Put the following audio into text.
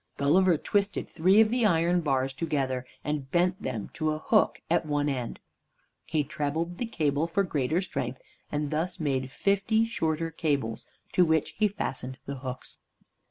Gulliver twisted three of the iron bars together and bent them to a hook at one end. He trebled the cable for greater strength, and thus made fifty shorter cables, to which he fastened the hooks.